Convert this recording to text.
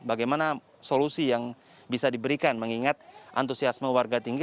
bagaimana solusi yang bisa diberikan mengingat antusiasme warga tinggi